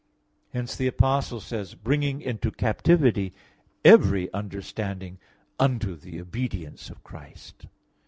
Hence the Apostle says: "Bringing into captivity every understanding unto the obedience of Christ" (2 Cor.